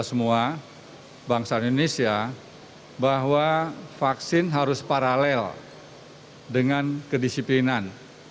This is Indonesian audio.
kita semua bangsa indonesia bahwa vaksin harus paralel dengan kedisiplinan